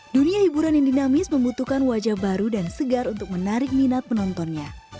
dunia hiburan yang dinamis membutuhkan wajah baru dan segar untuk menarik minat penontonnya